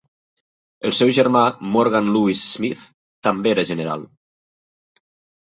El seu germà, Morgan Lewis Smith, també era general.